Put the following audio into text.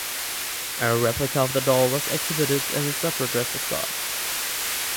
A replica of the doll was exhibited and staff were dressed as guards.